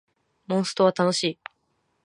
モンストは楽しい